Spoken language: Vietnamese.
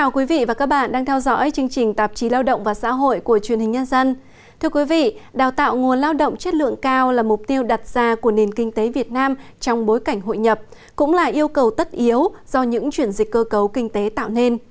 các bạn hãy đăng ký kênh để ủng hộ kênh của chúng mình nhé